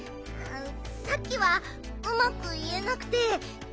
さっきはうまくいえなくてごめんね。